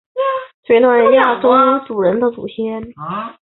分子生物学推断为原始亚欧人的祖先。